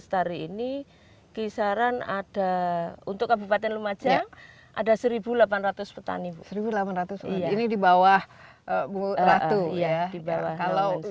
tari ini kisaran ada untuk kabupaten lumajang ada seribu delapan ratus petani seribu delapan ratus ini di bawah kalau